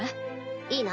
いいな？